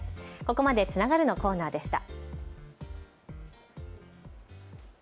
ここまでつながるのコーナーでした。